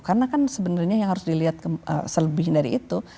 karena kan sebenarnya yang harus dilihat selebih dari itu